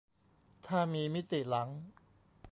ถ้ามีมิติหลัง